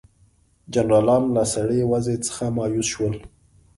جنرالانو له سړې وضع څخه مایوس شول.